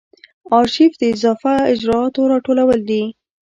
آرشیف د اضافه اجرااتو راټولول دي.